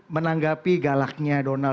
menanggapi galaknya donald